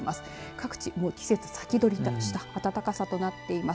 各地、季節先取りした暖かさとなっています。